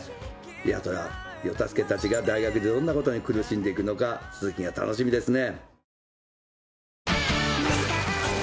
八虎世田介たちが大学でどんなことに苦しんでいくのか続きが楽しみですね。